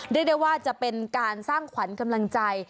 เรียกได้ว่าจะเป็นการสร้างขวัญกำลังใจ